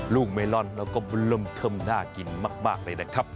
ลูกเมลอนเราก็บลุ่มเข้มหน้ากินมากเลยนะครับ